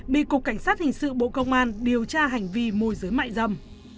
bị cục cảnh sát hình sự bộ công an điều tra hành vi mùi dưới mại dâm